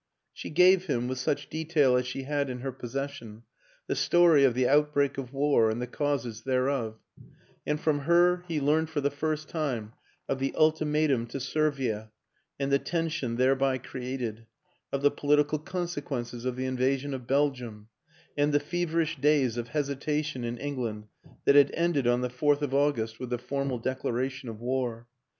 She gave him, with such detail as she had in her possession, the story of the outbreak of war and the causes thereof: and from her he learned for the first time of the ultimatum to Servia, and the tension thereby created; of the political consequences of the invasion of Belgium, and the feverish days of hesitation in England that had ended, on the Fourth of August, with the formal declaration of war.